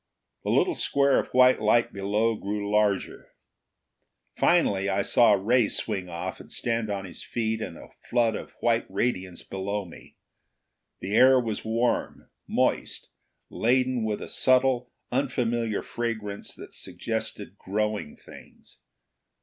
The little square of white light below grew larger. Finally I saw Ray swing off and stand on his feet in a flood of white radiance below me. The air was warm, moist, laden with a subtle unfamiliar fragrance that suggested growing things.